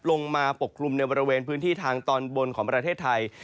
ปกคลุมในบริเวณพื้นที่ทางตอนบนของประเทศไทย